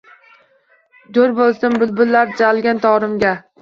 Jo’r bo’lsin bulbullar chalgan torimga